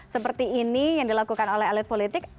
seperti ini yang dilakukan oleh elit politik